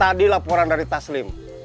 tadi laporan dari taslim